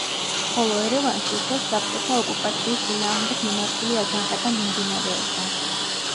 ხოლო ერევანში ისევ საბჭოთა ოკუპაციის წინააღმდეგ მიმართული აჯანყება მიმდინარეობდა.